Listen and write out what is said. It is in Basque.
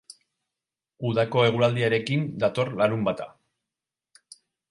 Udako eguraldiarekin dator larunbata.